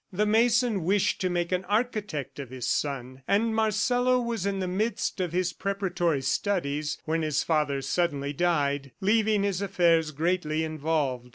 The mason wished to make an architect of his son, and Marcelo was in the midst of his preparatory studies when his father suddenly died, leaving his affairs greatly involved.